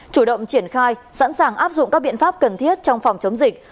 chủ động triển khai sẵn sàng áp dụng các biện pháp cần thiết trong phòng chống dịch